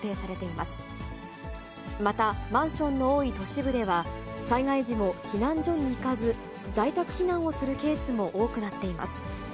また、マンションの多い都市部では、災害時も避難所に行かず、在宅避難をするケースも多くなっています。